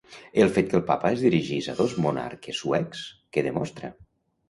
El fet que el Papa es dirigís a dos monarques suecs, què demostra?